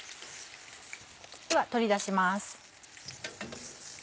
では取り出します。